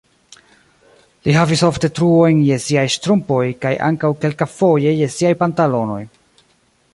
Li havis ofte truojn je siaj ŝtrumpoj kaj ankaŭ kelkafoje je siaj pantalonoj.